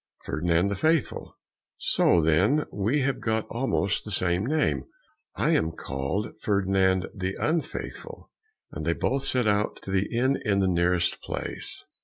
"Ferdinand the Faithful." "So! then we have got almost the same name, I am called Ferdinand the Unfaithful." And they both set out to the inn in the nearest place.